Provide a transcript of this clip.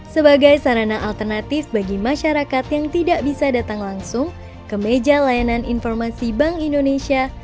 sebagai sarana alternatif bagi masyarakat yang tidak bisa datang langsung ke meja layanan informasi bank indonesia